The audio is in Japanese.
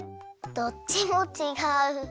どっちもちがう！